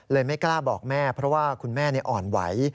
ไม่กล้าบอกแม่เพราะว่าคุณแม่อ่อนไหว